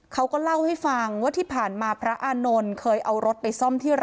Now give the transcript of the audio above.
เขาก็เล่าให้ฟังว่าที่ผ่านมาพระอานนท์เคยเอารถไปซ่อมที่